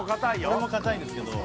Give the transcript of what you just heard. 「俺も硬いんですけど」